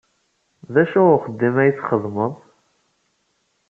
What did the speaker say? D acu n uxeddim ay txeddmeḍ?